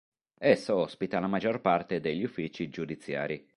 Esso ospita la maggior parte degli uffici giudiziari.